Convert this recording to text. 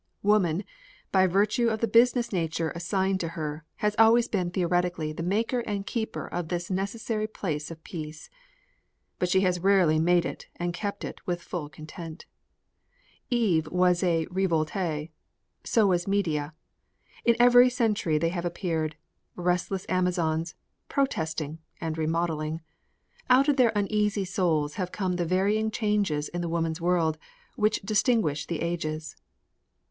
Woman, by virtue of the business nature assigns her, has always been theoretically the maker and keeper of this necessary place of peace. But she has rarely made it and kept it with full content. Eve was a revoltée, so was Medea. In every century they have appeared, restless Amazons, protesting and remolding. Out of their uneasy souls have come the varying changes in the woman's world which distinguish the ages.